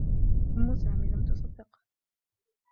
أمّ سامي لم تصدّقه.